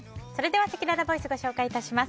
せきららボイス紹介します。